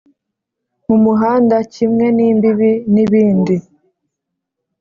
mu muhanda kimwe n'imbibi n'ibindi